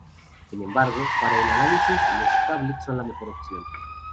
Sin embargo, para el análisis los tablets son la mejor opción.